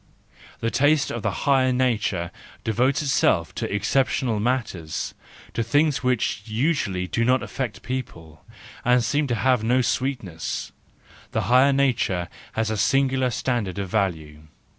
The taste of the higher nature devotes itself to exceptional matters, to things which usually do not affect people, and seem to have no sweetness; the higher nature has a singular standard of value.